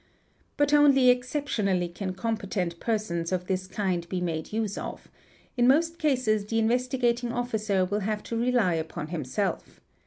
But only exceptionally can competent persons of this ' kind be made use of; in most cases the Investigating Officer will have to 'rely upon himself.